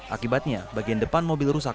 akibatnya bagian depan mobilnya berlintas